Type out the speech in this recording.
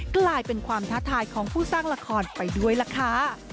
กลายเป็นความท้าทายของผู้สร้างละครไปด้วยล่ะค่ะ